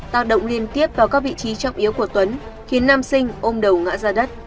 tạo động liên tiếp vào các vị trí trọng yếu của tuấn khiến nam sinh ôm đầu ngã ra đất